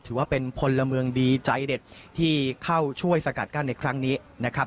ถือว่าเป็นพลเมืองดีใจเด็ดที่เข้าช่วยสกัดกั้นในครั้งนี้นะครับ